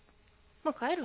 もう帰るわ。